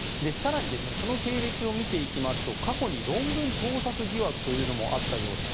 その経歴を見ていきますと過去に論文盗作疑惑もあったようです。